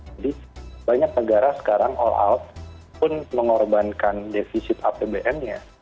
jadi banyak negara sekarang all out pun mengorbankan defisit apbn nya